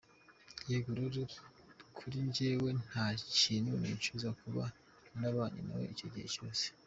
Yego, rero kuri njyewe nta kintu nicuza kuba narabanye nawe icyo gihe cyose.”